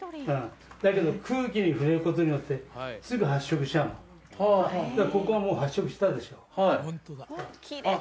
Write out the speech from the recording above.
だけど空気に触れることによってすぐ発色しちゃうのだからここはもう発色したでしょはいあっ